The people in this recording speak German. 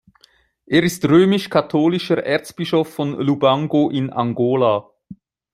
Er ist römisch-katholischer Erzbischof von Lubango in Angola.